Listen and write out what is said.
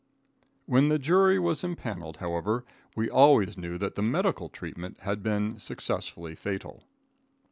When the jury was impanelled, however, we always knew that the medical treatment had been successfully fatal.